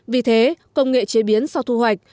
vì thế công nghệ chế biến sau thu hoạch